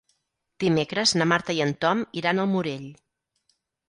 Dimecres na Marta i en Tom iran al Morell.